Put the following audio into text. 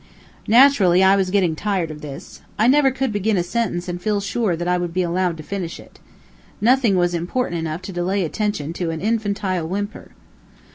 Naturally, I was getting tired of this. I could never begin a sentence and feel sure that I would be allowed to finish it. Nothing was important enough to delay attention to an infantile whimper.